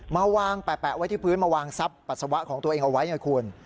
มาวางแปะไว้ที่พื้นมาวางทรัพย์ปัสสาวะของตัวเองเอาไว้ไงคุณ